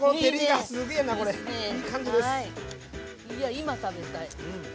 今食べたい。